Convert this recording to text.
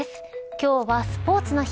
今日はスポーツの日。